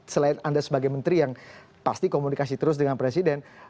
selain anda sebagai menteri yang pasti komunikasi terus dengan presiden